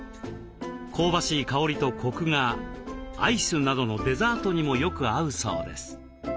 香ばしい香りとコクがアイスなどのデザートにもよく合うそうです。